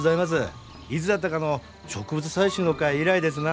いつだったかの植物採集の会以来ですな。